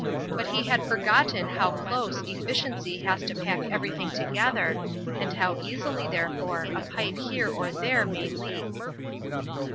But he had forgotten how close efficiency has to pack everything together and how easily, therefore, a pipe here or there may leak.